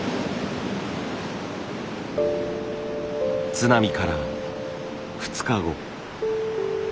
津波から２日後。